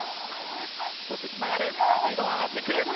そしてつながる、スピードが上がってくる。